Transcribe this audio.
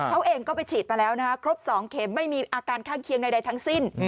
เขาเองก็ไปฉีดมาแล้วนะคะครบ๒เข็มไม่มีอาการข้างเคียงใดทั้งสิ้น